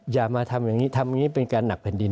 อย่ามาทำอย่างนี้ทำอย่างนี้เป็นการหนักแผ่นดิน